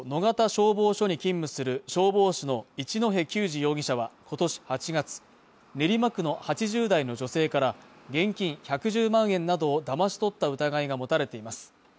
消防署に勤務する消防士の一戸赳児容疑者は今年８月練馬区の８０代の女性から現金１１０万円などをだまし取った疑いが持たれています